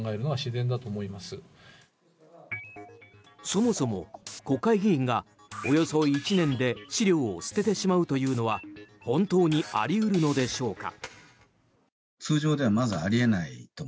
そもそも国会議員がおよそ１年で資料を捨ててしまうというのは本当にあり得るのでしょうか。